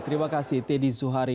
terima kasih teddy zuhari